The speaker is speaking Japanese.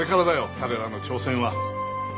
彼らの挑戦は。